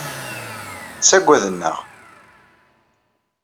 Ttagaden-aɣ.